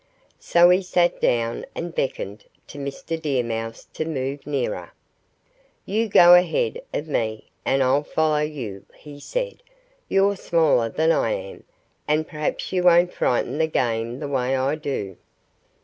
So he sat down and beckoned to Mr. Deer Mouse to move nearer. "You go ahead of me, and I'll follow you," he said. "You're smaller than I am, and perhaps you won't frighten the game the way I do."